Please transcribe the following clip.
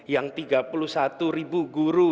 yang tiga puluh satu ribu guru